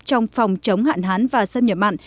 trong phòng chống hạn hán và xâm nhập mặn